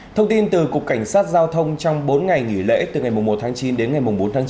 thông tin từ cục cảnh sát giao thông trong bốn ngày nghỉ lễ từ ngày một tháng chín đến ngày bốn tháng chín